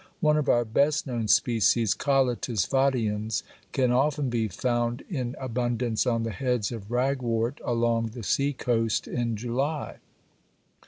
One of our best known species, Colletes fodiens, can often be found in abundance on the heads of ragwort along the sea coast in July.